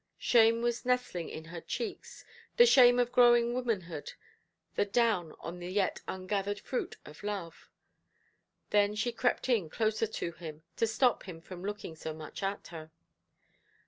Shame was nestling in her cheeks, the shame of growing womanhood, the down on the yet ungathered fruit of love. Then she crept in closer to him, to stop him from looking so much at her.